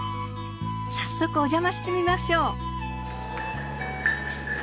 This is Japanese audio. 早速おじゃましてみましょう。